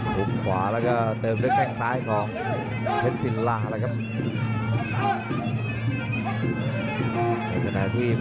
ลงคว้าแล้วก็เติมด้วยแท่งซ้ายของเฮ็ดซิล่าครับ